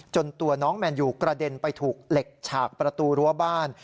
ตัวน้องแมนยูกระเด็นไปถูกเหล็กฉากประตูรั้วบ้าน